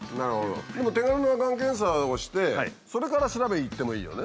でも手軽ながん検査をしてそれから調べに行ってもいいよね。